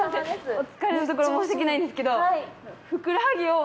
お疲れのところ申し訳ないんですけど。